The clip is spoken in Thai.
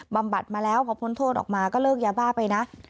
บัดมาแล้วพอพ้นโทษออกมาก็เลิกยาบ้าไปนะ